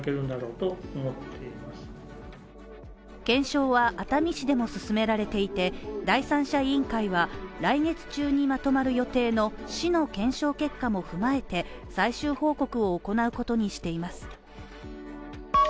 検証は熱海市でも進められていて第三者委員会は、来月中にまとまる予定の市の検証結果も踏まえて最終報告を行うことにしています。